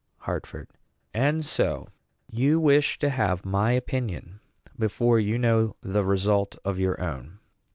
HARTFORD. And so you wish to have my opinion before you know the result of your own.